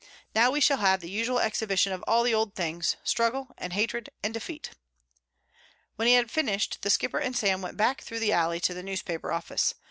Now we shall have the usual exhibition of all the old things, struggle, and hatred and defeat." When he had finished The Skipper and Sam went back through the alley to the newspaper office.